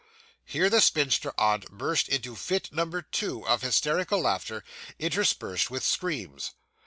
Here the spinster aunt burst into fit number two, of hysteric laughter interspersed with screams.